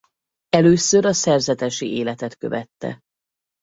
Először a szerzetesi életet követte.